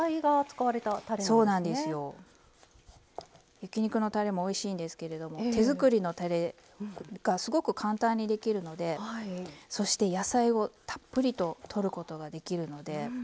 焼き肉のたれもおいしいんですけれども手作りのたれがすごく簡単にできるのでそして野菜をたっぷりととることができるので。